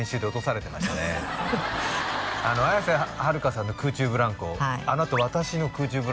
綾瀬はるかさんの空中ブランコはい